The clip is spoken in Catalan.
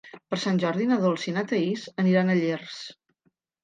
Per Sant Jordi na Dolça i na Thaís aniran a Llers.